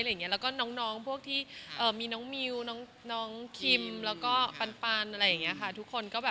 เดี๋ยวคงเปิดตัวเร็วนี้ใช่ไหมคะ